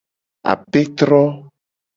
Apetro.